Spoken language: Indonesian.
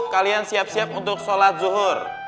kalian siap siap untuk sholat zuhur